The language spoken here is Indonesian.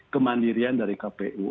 kemandirian dari kpu